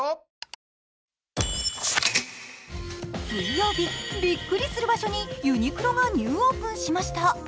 水曜日、びっくりする場所にユニクロがニューオープンしました。